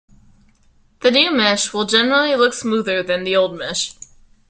The new mesh will generally look smoother than the old mesh.